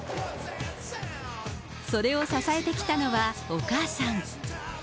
それを支えてきたのはお母さん。